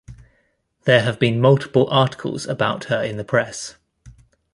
There have been multiple articles about her in the press.